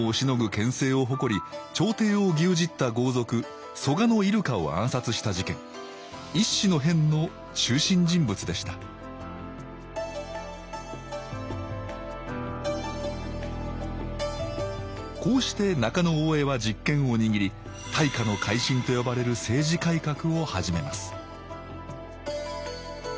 権勢を誇り朝廷を牛耳った豪族蘇我入鹿を暗殺した事件乙巳の変の中心人物でしたこうして中大兄は実権を握り大化の改新と呼ばれる政治改革を始めます